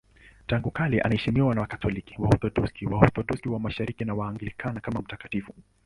Tangu kale anaheshimiwa na Wakatoliki, Waorthodoksi, Waorthodoksi wa Mashariki na Waanglikana kama mtakatifu.